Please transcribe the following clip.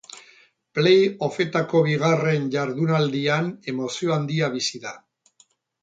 Play offetako bigarren jardunaldian emozio handia bizi da.